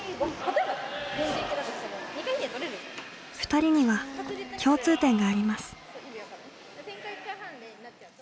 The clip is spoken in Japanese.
２人には共通点があります。